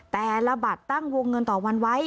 แต่ละบัตรตั้งวงเงินต่อวันไว้